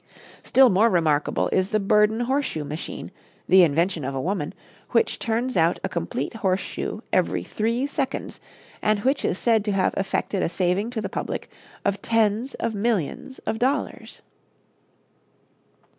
Still more remarkable is the Burden horseshoe machine, the invention of a woman, which turns out a complete horseshoe every three seconds and which is said to have effected a saving to the public of tens of millions of dollars.